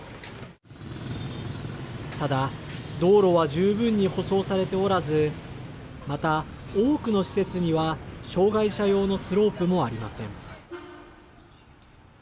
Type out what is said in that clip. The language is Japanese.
ただ、道路は十分に舗装されておらずまた、多くの施設には障害者用のスロープもありません。